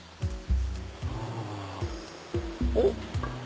おっ！